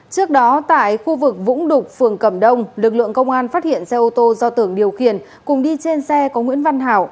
trước đó tại khu vực vũng đục phường cầm đông lực lượng công an phát hiện xe ô tô do tưởng điều khiển cùng đi trên xe có nguyễn văn hảo